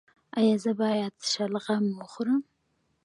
ایا زه باید شلغم وخورم؟